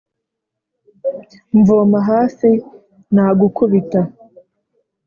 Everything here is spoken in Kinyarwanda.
mvoma hafi nagukubita